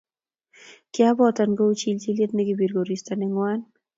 Kiabotan kou chilchilyet nekapir koristo nengwan